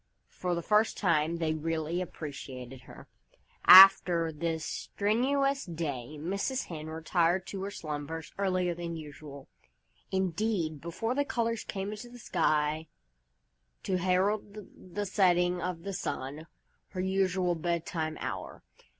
For the first time, they really appreciated her. After this really strenuous day Mrs. Hen retired to her slumbers earlier than usual indeed, before the colors came into the sky to herald the setting of the sun, her usual bedtime hour.